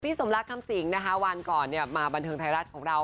สมรักคำสิงนะคะวันก่อนเนี่ยมาบันเทิงไทยรัฐของเรา